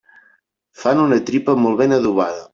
Fan una tripa molt ben adobada.